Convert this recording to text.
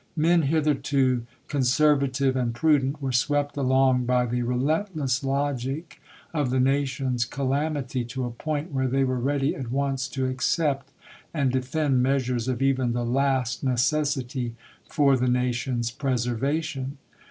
Men hitherto con servative and prudent were swept along by the MILITABY EMANCIPATION 421 relentless logic of the nation's calamity to a point cn. xxiv. where they were ready at once to accept and de fend measures of even the last necessity for the nation's preservation.